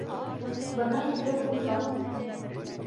Бына ике ҡумта.